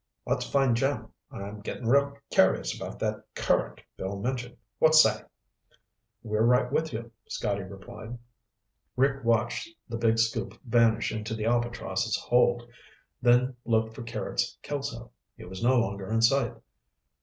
"Let's find Jim. I'm getting real curious about that current Bill mentioned. What say?" "We're right with you," Scotty replied. Rick watched the big scoop vanish into the Albatross' hold, then looked for Carrots Kelso. He was no longer in sight.